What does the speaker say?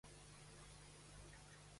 A quina ciutat es va formar Carmina?